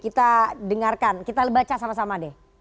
kita dengarkan kita baca sama sama deh